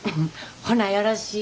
ほなよろしい。